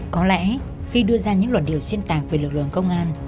có lẽ khi đưa ra những luận điệu xuyên tạc về lực lượng công an